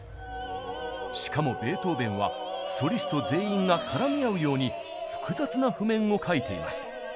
しかもベートーベンはソリスト全員が絡み合うように複雑な譜面を書いています。